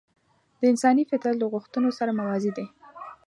د انساني فطرت له غوښتنو سره موازي دي.